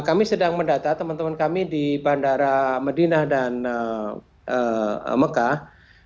kami sedang mendata teman teman kami di bandara medinah dan mekah